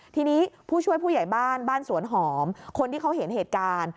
ทีนี้ผู้ช่วยผู้ใหญ่บ้านบ้านสวนหอมคนที่เขาเห็นเหตุการณ์